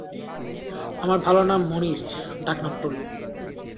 আমার ভালো নাম মুনির ডাক নাম টুলু।